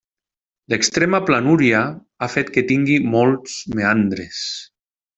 L'extrema planúria ha fet que tingui molts meandres.